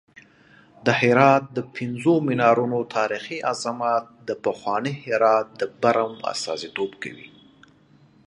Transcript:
د هرات د پنځو منارونو تاریخي عظمت د پخواني هرات د برم استازیتوب کوي.